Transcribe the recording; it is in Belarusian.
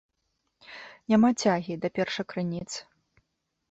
Няма цягі да першакрыніц.